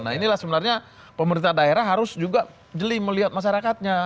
nah inilah sebenarnya pemerintah daerah harus juga jeli melihat masyarakatnya